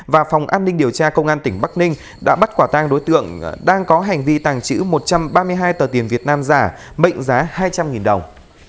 và phòng an ninh điều tra công an tỉnh bắc ninh đã bắt quả tang đối tượng đang có hành vi tàng trữ một trăm ba mươi hai tờ tiền việt nam giả mệnh giá hai trăm linh đồng